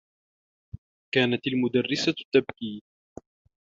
كانت المدرّسة تبكي.